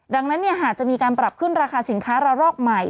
ดังนั้นหากจะมีการปรับขึ้นราคาสินค้าระลอกใหม่